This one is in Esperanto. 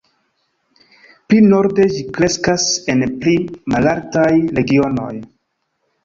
Pli norde, ĝi kreskas en pli malaltaj regionoj.